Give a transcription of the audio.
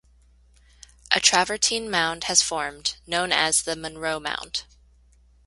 A travertine mound has formed, known as the Monroe Mound.